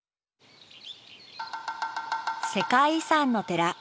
世界遺産の寺